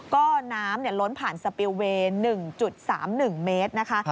ก็น้ำล้นผ่านสปิลเวย์๑๓๑เมตรนะคะ